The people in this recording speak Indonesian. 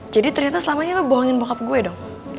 jadi ternyata selamanya lo bohongin bokap gue dong